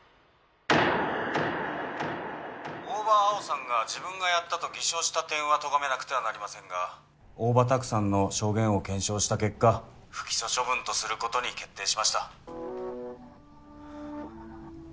☎大庭蒼生さんが自分がやったと☎偽証した点はとがめなくてはなりませんが大庭拓さんの証言を検証した結果☎不起訴処分とすることに決定しました